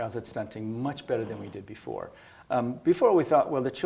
lebih kurang ini adalah